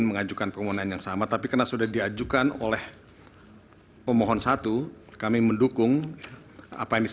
mengajukan permohonan yang sama tapi karena sudah diajukan oleh pemohon satu kami mendukung apa yang bisa